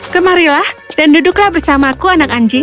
kemarilah dan duduklah bersamaku anak anjing